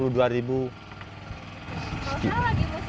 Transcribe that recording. kalau salah lagi musim banyaknya